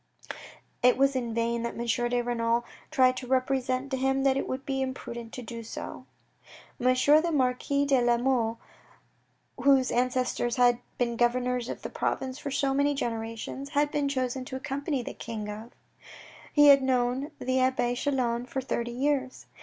It was in vain that M. de Renal tried to represent to him that it would be imprudent to do so. M. the Marquis de La Mole whose ancestors had been governors of the province for so many generations, had been chosen to accompany the King of He had known the abbe Chelan for thirty years.